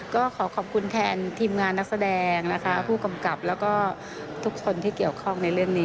ก็ขอขอบคุณแทนทีมงานนักแสดงนะคะผู้กำกับแล้วก็ทุกคนที่เกี่ยวข้องในเรื่องนี้